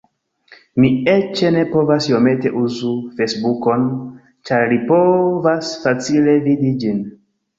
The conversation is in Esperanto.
Mi eĉ ne povas iomete uzu Fejsbukon ĉar li povas facile vidi ĝin.